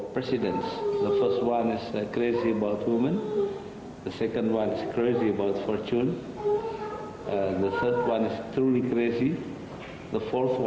empat presiden yang pertama gila tentang wanita yang kedua gila tentang keuntungan yang ketiga benar benar gila